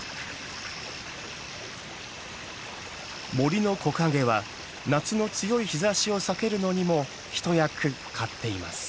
森の木陰は夏の強い日ざしを避けるのにも一役買っています。